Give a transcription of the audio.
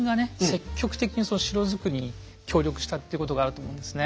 積極的にその城造りに協力したっていうことがあると思うんですね。